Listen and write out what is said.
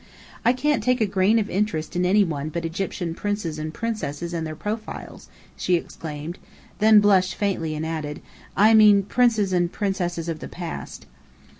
"I can't take a grain of interest in any one but Egyptian Princes and Princesses and their profiles," she exclaimed; then blushed faintly and added, "I mean Princes and Princesses of the past."